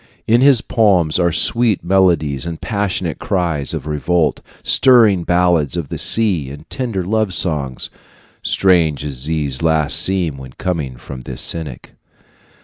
In his poems are sweet melodies and passionate cries of revolt, stirring ballads of the sea and tender love songs strange as these last seem when coming from this cynic.